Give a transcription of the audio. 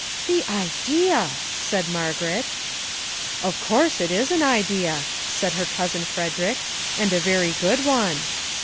" The idea !" said Margaret. " Of course, it is an idea," said her cousin Frederick, " and a very good one."